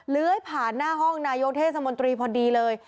เลื้อยผ่านหน้าห้องนายกเทศมนตรีพอดีเลย